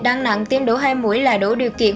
đang nặng tiêm đủ hai mũi là đủ điều kiện